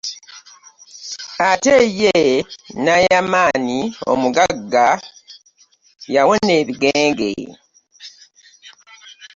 Ate yye Nayamani omugagga yawona ebigengenge.